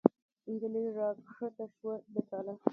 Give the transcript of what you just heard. نجلۍ را کښته شوه د ټاله